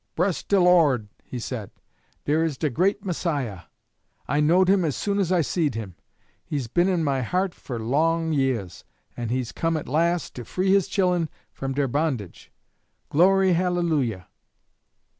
'Bress de Lord,' he said, 'dere is de great Messiah! I knowed him as soon as I seed him. He's bin in my heart fo' long yeahs, an' he's cum at las' to free his chillun from deir bondage! Glory, Hallelujah!'